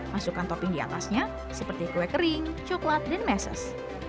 masukkan topping di atasnya seperti kue kering coklat dan meses